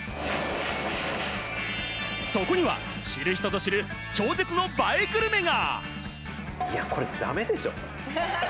そこには知る人ぞ知る、超絶映えグルメが。